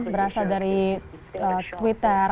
berasal dari twitter